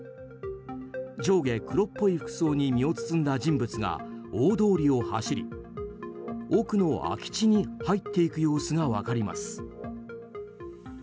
上下黒っぽい服装に身を包んだ人物が大通りを走り奥の空き地に入っていく様子が分かります。